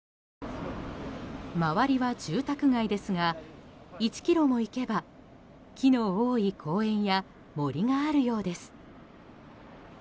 周りは住宅街ですが１ｋｍも行けば木の多い公園や森があるようです。